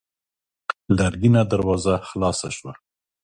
لرګينه دروازه خلاصه شوه.